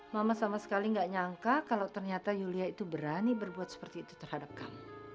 mama sama sekali nggak nyangka kalau ternyata yulia itu berani berbuat seperti itu terhadap kamu